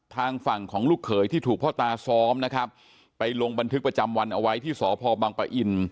ทางฝั่งของลูกเขยที่ถูกพ่อตาซ้อมนะครับไปลงบันทึกประจำวันเอาไว้ที่สพบังปะอิน